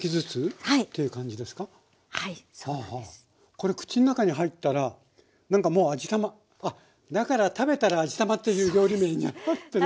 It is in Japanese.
これ口の中に入ったら何かもう味玉あっだから「食べたら味玉」という料理名になってるんですね。